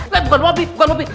bukan popi bukan popi